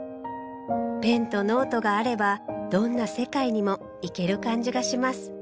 「ペンとノートがあればどんな世界にもいける感じがします」